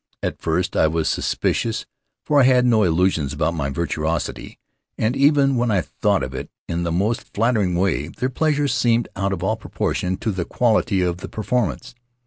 At first I was suspicious, for I had no illusions about my virtuosity, and even when I thought of it in the most flattering way their pleasure seemed out of all proportion to the quality of the performance.